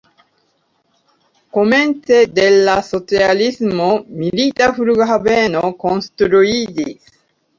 Komence de la socialismo milita flughaveno konstruiĝis.